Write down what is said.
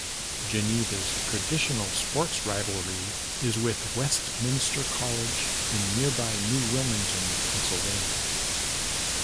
Geneva's traditional sports rivalry is with Westminster College in nearby New Wilmington, Pennsylvania.